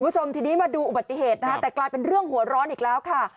คุณผู้ชมทีนี้มาดูอุบัติเหตุนะคะแต่กลายเป็นเรื่องหัวร้อนอีกแล้วค่ะ